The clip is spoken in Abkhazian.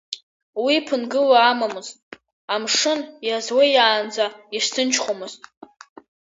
Уи ԥынгыла амамызт, амшын иазлеиаанӡа, изҭынчхомызт.